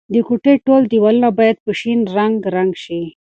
د کوټې ټول دیوالونه باید په شین رنګ رنګ شي.